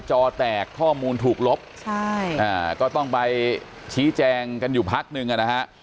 จอแตกข้อมูลถูกลบก็ต้องไปชี้แจงกันอยู่พักนึงนะฮะ